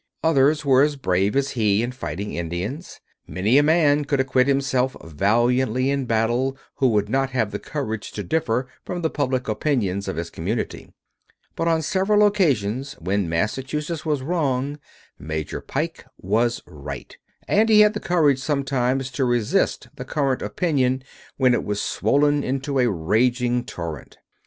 Others were as brave as he in fighting Indians. Many a man could acquit himself valiantly in battle who would not have the courage to differ from the public opinion of his community. But on several occasions, when Massachusetts was wrong, Major Pike was right; and he had the courage sometimes to resist the current of opinion when it was swollen into a raging torrent.